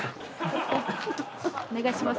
お願いします。